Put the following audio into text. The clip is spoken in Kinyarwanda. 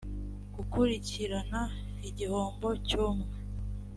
gukurikirana igihombo cy umwe